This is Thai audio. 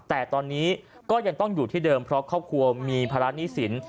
แต่ตอนนี้ก็ยังต้องอยู่ที่เดิมเพราะครอบครัวมีภาระหนี้สิน